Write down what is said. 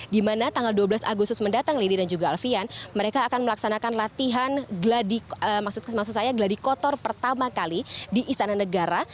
dimana tanggal dua belas agustus mendatang lady dan juga alfian mereka akan melaksanakan latihan maksud saya gladi kotor pertama kali di istana negara